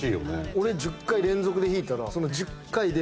俺１０回連続で引いたら。